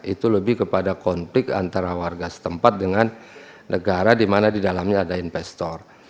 itu lebih kepada konflik antara warga setempat dengan negara di mana di dalamnya ada investor